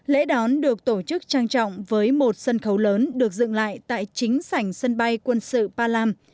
lễ đón được tổ chức trang trọng với một sân khấu lớn được dựng lại tại chính sảnh sân bay quân sự palam